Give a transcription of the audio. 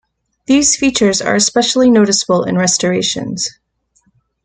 These features are especially noticeable in restorations.